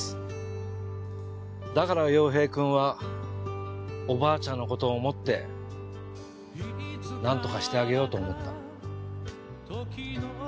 だから陽平くんはおばあちゃんのことを思ってなんとかしてあげようと思った。